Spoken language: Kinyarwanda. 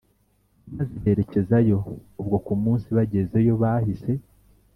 maze berekezayo ubwo kumunsi bagezeyo bahise